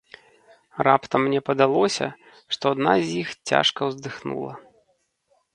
Раптам мне падалося, што адна з іх цяжка ўздыхнула.